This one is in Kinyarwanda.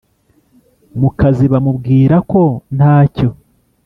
mukazi bamubwira ko ntacyo